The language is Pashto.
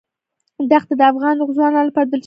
دښتې د افغان ځوانانو لپاره دلچسپي لري.